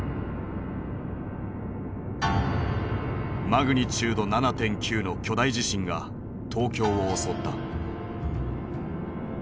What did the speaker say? マグニチュード７．９の巨大地震が東京を襲った。